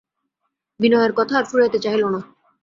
বিনয়ের কথা আর ফুরাইতে চাহিল না।